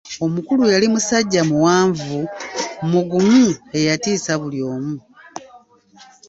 Omukulu yali musajja muwanvu, mugumu eyatiisa buli omu.